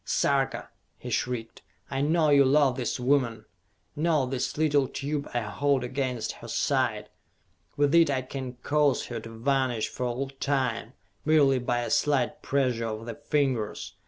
"Sarka," he shrieked, "I know you love this woman! Note this little tube I hold against her side. With it I can cause her to vanish for all time, merely by a slight pressure of the fingers!